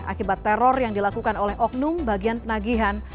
akibat teror yang dilakukan oleh oknum bagian penagihan